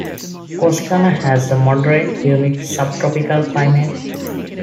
Corsicana has a moderate humid subtropical climate.